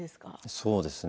そうですね。